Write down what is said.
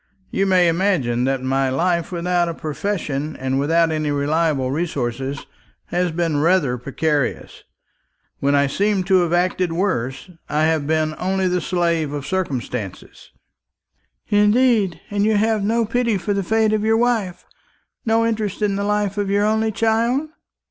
You may imagine that my life, without a profession and without any reliable resources, has been rather precarious. When I seemed to have acted worst, I have been only the slave of circumstances." "Indeed! and have you no pity for the fate of your wife, no interest in the life of your only child?"